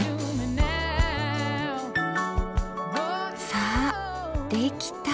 さあできた！